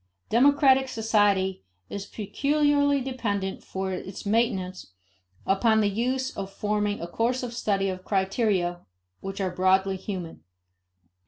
Democratic society is peculiarly dependent for its maintenance upon the use in forming a course of study of criteria which are broadly human.